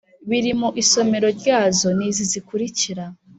biri mu isomero ryazo Niz izi zikurikira